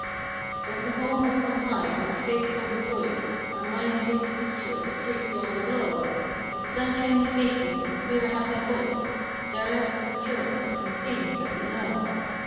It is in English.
There's a home up on high where the faithful rejoice; Our mind gives a picture of streets all aglow With sunshiny faces and clear, happy voice. Seraphs and cherubs, and saints that we know.